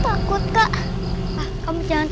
direksi tanah pesawat